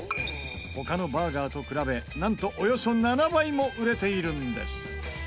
他のバーガーと比べなんとおよそ７倍も売れているんです。